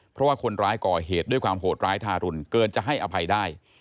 เพราะว่าคนร้ายก่อเหตุด้วยความโหดร้ายทารุณเกินจะให้อภัยได้